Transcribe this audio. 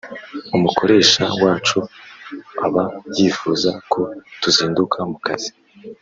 umukoresha wacu aba yifuza ko tuzinduka mu kazi